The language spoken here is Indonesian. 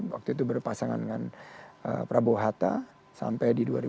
waktu itu berpasangan dengan prabowo hatta sampai di dua ribu dua puluh